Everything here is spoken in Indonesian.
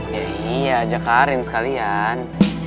ya iya ajak karin sekalian